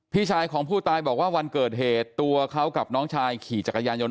พี่ชายของผู้ตายบอกว่าวันเกิดเหตุตัวเขากับน้องชายขี่จักรยานยนต